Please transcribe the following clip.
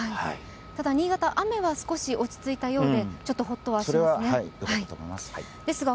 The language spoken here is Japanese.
ただ新潟、雨は少し落ち着いたようで、ちょっとホッとはしますね。